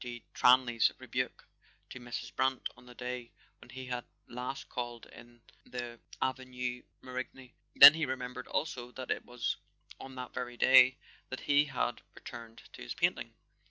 de Tranlay's rebuke to Mrs. Brant on the day when he had last called in the Avenue Marigny; then he remembered also that it was on that very day that he had returned to his painting.